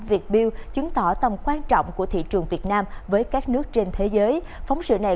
việt build chứng tỏ tầm quan trọng của thị trường việt nam với các nước trên thế giới phóng sự này